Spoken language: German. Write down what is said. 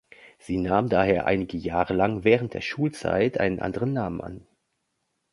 Sie nahm daher einige Jahre lang während der Schulzeit einen anderen Namen an.